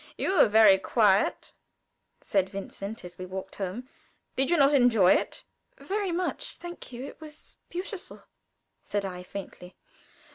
"You were very quiet," said Vincent, as we walked home. "Did you not enjoy it?" "Very much, thank you. It was very beautiful," said I, faintly.